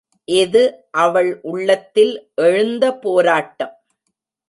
இது அவள் உள்ளத்தில் எழுந்தபோராட்டம்.